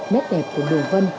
nét đẹp của nền văn